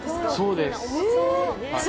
そうです。え！